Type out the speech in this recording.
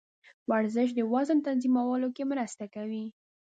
ورزش د وزن تنظیمولو کې مرسته کوي.